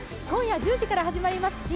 今夜１０時から始まります